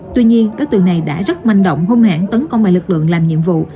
tuy nhiên đối tượng này đã rất manh động hung hãng tấn công bài lực lượng làm nhiệm vụ